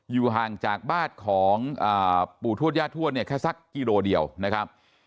อยู่ห่างจากบ้านของปู่ทวดย่าทวดเนี่ยแค่สักกิโลเดียวนะครับ